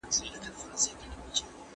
تا چې نهٔ وینم نو څهٔ کوم اختر بل